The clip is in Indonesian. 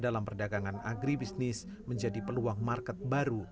dalam perdagangan agribisnis menjadi peluang market baru